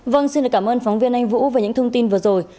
vâng xin cảm ơn phóng viên anh vũ về những thông tin vừa rồi